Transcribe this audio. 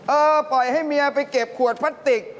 ปล่อยให้เมียไปเก็บขวดพลาสติก